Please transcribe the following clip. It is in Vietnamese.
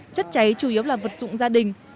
chất cháy chủ yếu là vật dụng gia đình